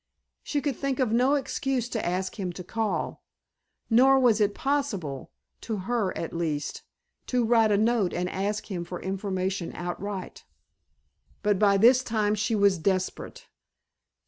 She could think of no excuse to ask him to call. Nor was it possible to her, at least to write a note and ask him for information outright. But by this time she was desperate.